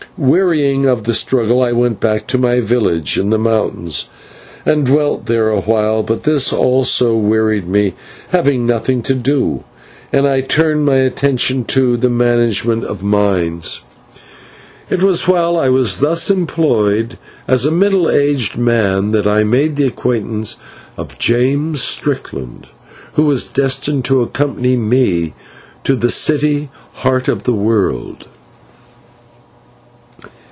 Wearying of the struggle, I went back to my village in the mountains and dwelt there awhile, but this also wearied me, having nothing to do, and I turned my attention to the management of mines. It was while I was thus employed, as a middle aged man, that I made the acquaintance of James Strickland, who was destined to accompany me to the city, Heart of the World.